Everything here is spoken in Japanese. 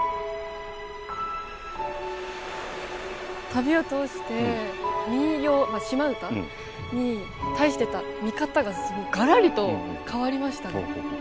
旅を通して民謡島唄に対してた見方ががらりと変わりました。